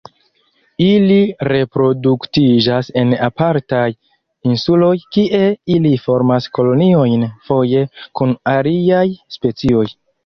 Ili reproduktiĝas en apartaj insuloj kie ili formas koloniojn foje kun aliaj specioj.